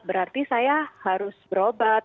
berarti saya harus berobat